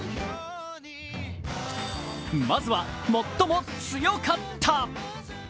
まずは最も強かった。